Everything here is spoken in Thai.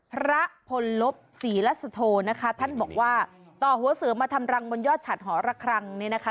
พระพลลบศรีละสุโธนะคะท่านบอกว่าต่อหัวเสือมาทำรังบนยอดฉัดหอระคังเนี่ยนะคะ